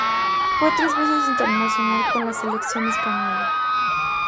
Fue tres veces internacional con la selección española.